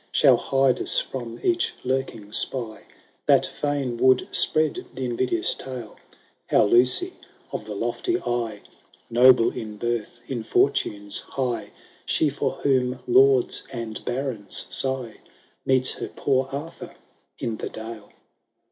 Shall hide us from each lurking spy, That fidn would spread the invidious tale, How Lucy of the lofty eye,* > CMS.— "Haughty eye. T THI BRIDAL OF TUKaMAOr. 13 Noble in birth, in fortunes high. She for whom lords and barons sigh. Meets her poor Arthur in the dale.